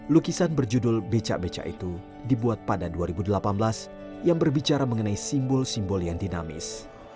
lukisan berjudul becak beca itu dibuat pada dua ribu delapan belas yang berbicara mengenai simbol simbol yang dinamis